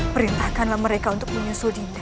perintahkanlah mereka untuk menyusul dinda